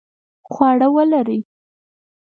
خواړه ولړئ